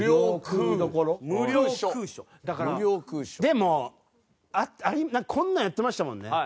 でもこんなんやってましたもんね。